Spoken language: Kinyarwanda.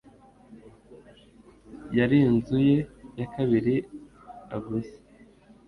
Yari inzu ye ya kabiri aguze